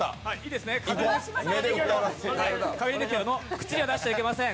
口には出してはいけません。